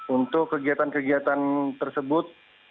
untuk kegiatan kegiatan tersebut